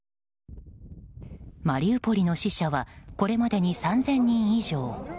マリウポリの死者はこれまでに３０００人以上。